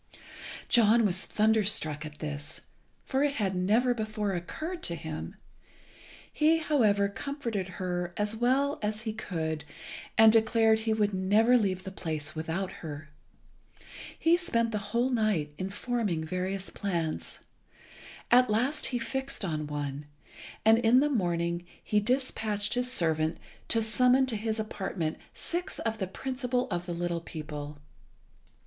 John was thunderstruck at this, for it had never before occurred to him. He, however, comforted her as well as he could, and declared he would never leave the place without her. He spent the whole night in forming various plans. At last he fixed on one, and in the morning he despatched his servant to summon to his apartment six of the principal of the little people.